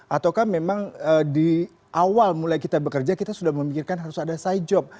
ataukah memang di awal mulai kita bekerja kita sudah memikirkan harus ada side job